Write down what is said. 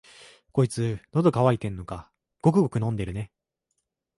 こいつ、のど渇いてんのか、ごくごく飲んでるね。